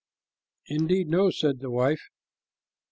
"Indeed, no," said the wife.